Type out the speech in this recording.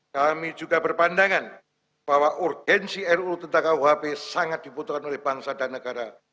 kami juga berpandangan bahwa urgensi ruu tentang kuhp sangat dibutuhkan oleh bangsa dan negara